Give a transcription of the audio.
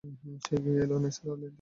সে এগিয়ে এল নিসার আলির দিকে।